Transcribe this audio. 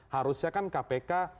harusnya kan kpk